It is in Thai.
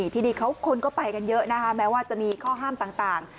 ทีนี้คนก็ไปกันเยอะนะคะแม้ว่าจะมีข้อห้ามต่าง